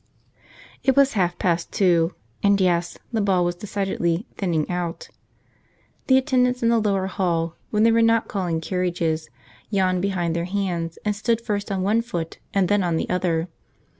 It was half past two, and yes, the ball was decidedly 'thinning out.' The attendants in the lower hall, when they were not calling carriages, yawned behind their hands, and stood first on one foot, and then on the other.